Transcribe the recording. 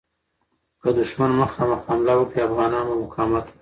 که دښمن مخامخ حمله وکړي، افغانان به مقاومت وکړي.